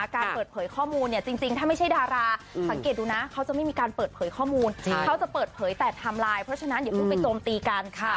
การเปิดเผยข้อมูลเนี่ยจริงถ้าไม่ใช่ดาราสังเกตดูนะเขาจะไม่มีการเปิดเผยข้อมูลเขาจะเปิดเผยแต่ไทม์ไลน์เพราะฉะนั้นอย่าเพิ่งไปโจมตีกันค่ะ